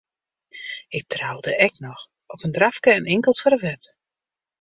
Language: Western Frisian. Ik troude ek noch, op in drafke en inkeld foar de wet.